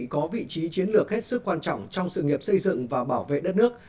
có vị trí chiến lược hết sức quan trọng trong sự nghiệp xây dựng và bảo vệ đất nước